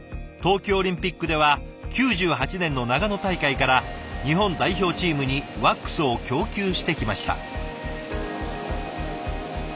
冬季オリンピックでは９８年の長野大会から日本代表チームにワックスを供給してきました。